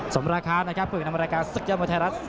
สมรคานะครับฝึกนำรายการศักยมไทยรัฐ